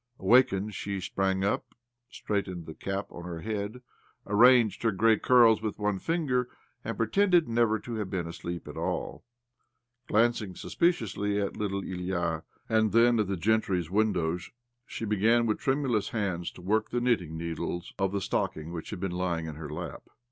Awakened, she sprang up, straightened the cap on her head, arranged hter grey curls with one finger, and pretended never to have been to sleep at all . Glancing suspiciously ' at the little Ilya, and then at the gentry's windows, she began with tremulous hands to work the knitting needles of the stock ing which had been lying in her lap.